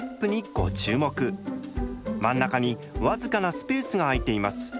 真ん中に僅かなスペースがあいています。